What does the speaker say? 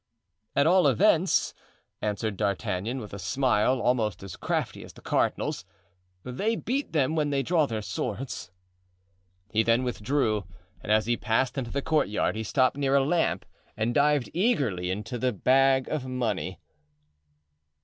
"At all events," answered D'Artagnan, with a smile almost as crafty as the cardinal's, "they beat them when they draw their swords." He then withdrew, and as he passed into the courtyard he stopped near a lamp and dived eagerly into the bag of money.